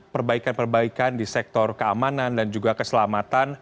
perbaikan perbaikan di sektor keamanan dan juga keselamatan